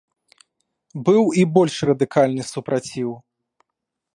Быў і больш радыкальны супраціў.